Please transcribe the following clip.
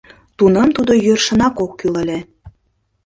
Тунам тудо йӧршынак ок кӱл ыле.